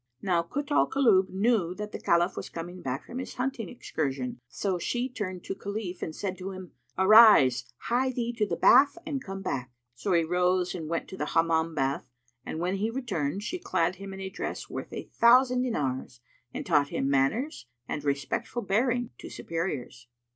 Now Kut al Kulub knew that the Caliph was come back from his hunting excursion; so she turned to Khalif and said to him, "Arise; hie thee to the bath and come back." So he rose and went to the Hammam bath, and when he returned, she clad him in a dress worth a thousand dinars and taught him manners and respectful bearing to superiors.